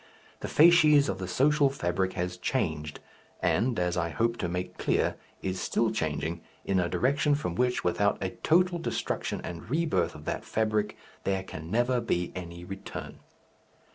The facies of the social fabric has changed, and as I hope to make clear is still changing in a direction from which, without a total destruction and rebirth of that fabric, there can never be any return.